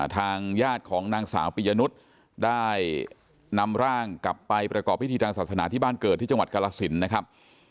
ทางญาติของนางสาวปียนุษย์ได้นำร่างกลับไปประกอบพิธีทางศาสนาที่บ้านเกิดที่จังหวัดกรสินนะครับ